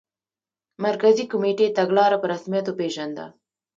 مرکزي کمېټې تګلاره په رسمیت وپېژنده.